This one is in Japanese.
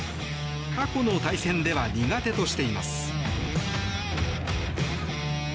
過去の対戦では苦手としています。